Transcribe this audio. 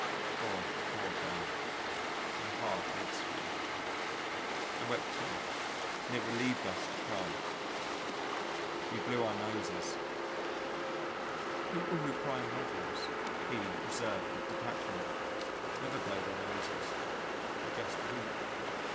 Poor, poor girl, my heart aches for you. I wept too, and it relieved us to cry. We blew our noses. "People who cry in novels," E observed with detachment, "never blow their noses. They just weep." ...